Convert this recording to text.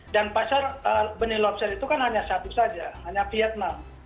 dan pasar benih lobster itu kan hanya satu saja hanya vietnam